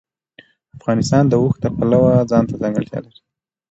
افغانستان د اوښ د پلوه ځانته ځانګړتیا لري.